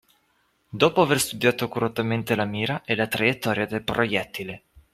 Dopo aver studiato accuratamente la mira e la traiettoria del proiettile.